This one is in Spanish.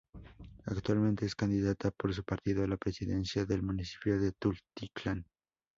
Actualmente es Candidata por su partido a la Presidencia del Municipio de Tultitlán.